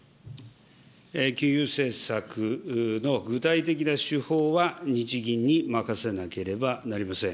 金融政策の具体的な手法は日銀に任せなければなりません。